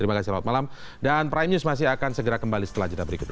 terima kasih selamat malam dan prime news masih akan segera kembali setelah jeda berikut ini